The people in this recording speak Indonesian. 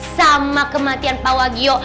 sama kematian pak wagio